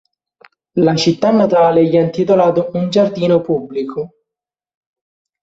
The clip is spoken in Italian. La città natale gli ha intitolato un giardino pubblico.